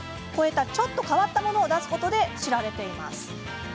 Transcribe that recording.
ちょっと変わったものを出すことで知られています。